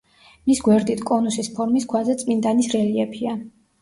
მის გვერდით კონუსის ფორმის ქვაზე წმინდანის რელიეფია.